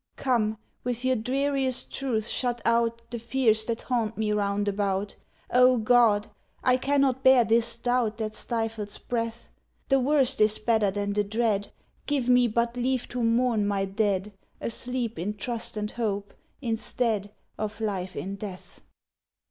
"Come, with your dreariest truth shut out The fears that haunt me round about; O God! I cannot bear this doubt That stifles breath. The worst is better than the dread; Give me but leave to mourn my dead Asleep in trust and hope, instead Of life in death!"